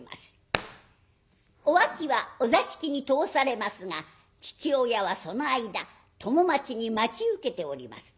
お秋はお座敷に通されますが父親はその間供待ちに待ち受けております。